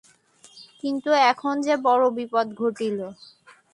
কিন্তু এখন যে বড় বিপদ ঘটিল!